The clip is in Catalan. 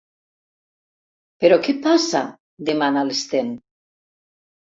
Però què passa? —demana l'Sten.